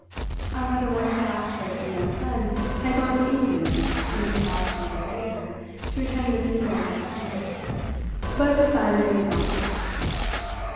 I rather wanted to ask her if the young friend had gone to England in the capacity of waiter to attend the funeral baked meats, but decided it was not worth it.